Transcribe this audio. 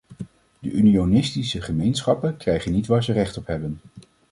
De unionistische gemeenschappen krijgen niet waar ze recht op hebben.